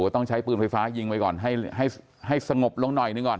ต้องใช้ปืนไฟฟ้ายิงไปก่อนให้สงบลงหน่อยหนึ่งก่อน